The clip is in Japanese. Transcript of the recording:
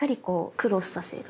クロスさせる。